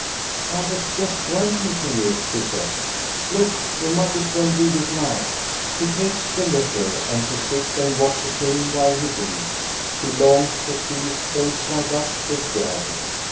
'* I was just writing to you," she says. " Look, you might as well read it now." He takes the letter and she sits and watches him while he reads. She longs to see his face light up with joy.